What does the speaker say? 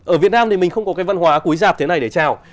ở việt nam thì mình không có cái văn hóa cúi dạp thế này để chào